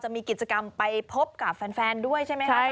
จะมีกิจกรรมไปพบกับแฟนด้วย